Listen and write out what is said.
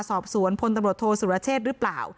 สอบสวนพลตำรวจโทษสุรเชษหรือเปล่า